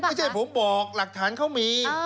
ไม่ใช่ผมบอกหลักฐานเขามี